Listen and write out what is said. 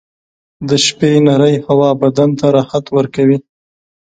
• د شپې نرۍ هوا بدن ته راحت ورکوي.